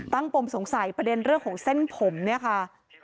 ปมสงสัยประเด็นเรื่องของเส้นผมเนี่ยค่ะ